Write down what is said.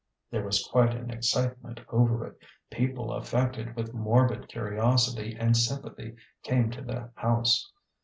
There was quite an excitement over it. People affected with morbid curiosity and sympathy came to the house.